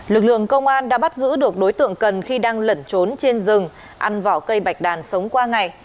lực lượng công an đã bắt giữ được đối tượng cần khi đang lẩn trốn trên rừng ăn vỏ cây bạch đàn sống qua ngày